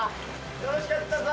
楽しかった。